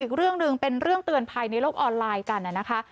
อีกเรื่องหนึ่งเป็นเรื่องเตือนภัยในโลกออนไลน์กันนะคะ